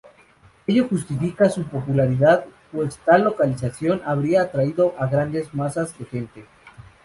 Ello justifica su popularidad, pues tal localización habría atraído a grandes masas de gente.